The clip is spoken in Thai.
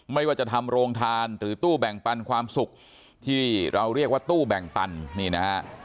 ไม่ว่าจะทำโรงทานหรือตู้แบ่งปันความสุขที่เราเรียกว่าตู้แบ่งปันนี่นะฮะ